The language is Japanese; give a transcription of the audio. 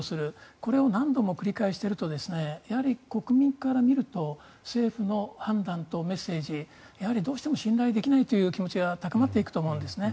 これを何度も繰り返しているとやはり国民から見ると政府の判断とメッセージやはり、どうしても信頼できないという気持ちが高まっていくと思うんですね。